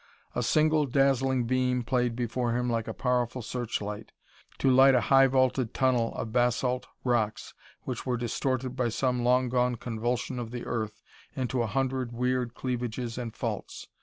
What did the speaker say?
A single, dazzling beam played before him like a powerful searchlight, to light a high vaulted tunnel of basalt rocks which were distorted by some long gone convulsion of the earth into a hundred weird cleavages and faults.